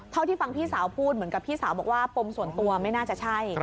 เท่าที่ฟังพี่สาวพูดเหมือนกับพี่สาวบอกว่าปมส่วนตัวไม่น่าจะใช่